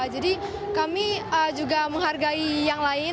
jadi kami juga menghargai yang lain